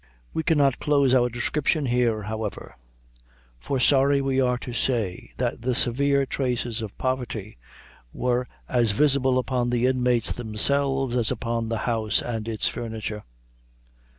We cannot close our description here, however; for sorry we are to say, that the severe traces of poverty were as visible upon the inmates themselves as upon the house and its furniture.